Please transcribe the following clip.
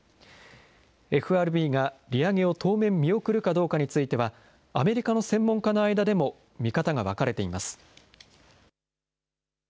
ＦＲＢが利上げを当面見送るかどうかについては、アメリカの専門家の間でも見方が分かれています。